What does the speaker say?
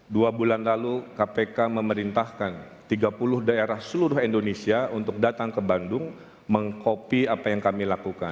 dua bulan lalu kpk memerintahkan tiga puluh daerah seluruh indonesia untuk datang ke bandung mengkopi apa yang kami lakukan